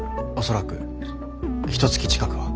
恐らくひとつき近くは。